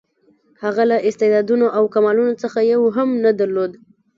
هغه له استعدادونو او کمالونو څخه یو هم نه درلود.